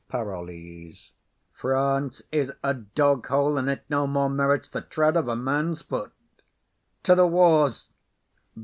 PAROLLES. France is a dog hole, and it no more merits The tread of a man's foot: to the wars!